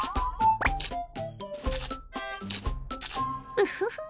ウフフッ！